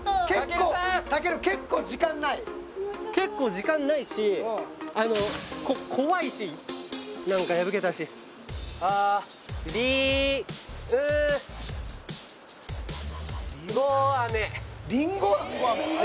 結構健結構時間ない結構時間ないしあの怖いしなんか破けたしありんごあめ？